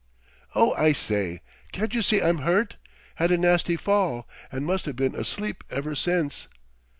"Oh, I say! Can't you see I'm hurt? 'Had a nasty fall and must've been asleep ever since."